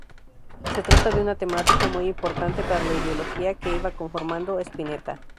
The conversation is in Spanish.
Se trata de una temática muy importante para la ideología que iba conformando Spinetta.